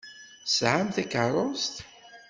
Tesɛamt takeṛṛust.